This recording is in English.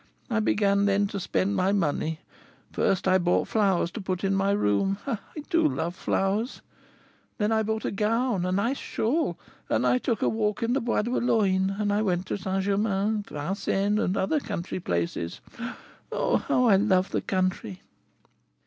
I began then to spend my money: first, I bought flowers to put in my room, I do love flowers! then I bought a gown, a nice shawl, and I took a walk in the Bois de Boulogne, and I went to St. Germains, Vincennes, and other country places. Oh, how I love the country!"